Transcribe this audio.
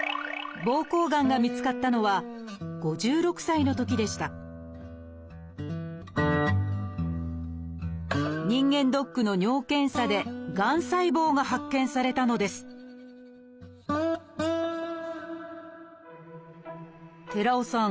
膀胱がんが見つかったのは５６歳のときでした人間ドックの尿検査でがん細胞が発見されたのです寺尾さん